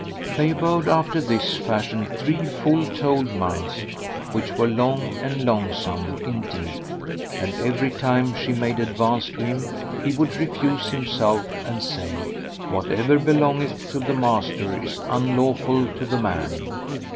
They abode after this fashion three full told months, which were long and longsome indeed, and every time she made advances to him, he would refuse himself and say, "Whatever belongeth to the master is unlawful to the man."